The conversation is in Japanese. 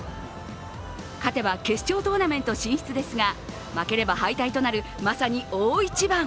勝てば決勝トーナメント進出ですが、負ければ敗退となるまさに大一番。